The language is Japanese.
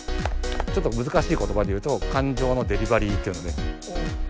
ちょっとむずかしいことばで言うと感情のデリバリーっていうのね。